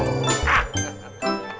selamat pagi bu jun